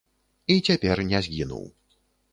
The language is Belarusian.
І цяпер не згінуў.